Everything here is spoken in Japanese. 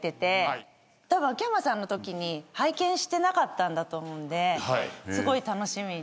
たぶん秋山さんのときに拝見してなかったんだと思うんですごい楽しみに。